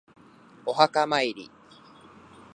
お墓参り